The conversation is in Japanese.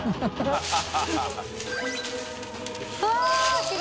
ハハハ